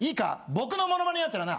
僕のモノマネやるんだったらな